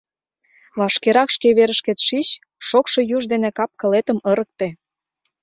Вашкерак шке верышкет шич, шокшо юж дене кап-кылетым ырыкте.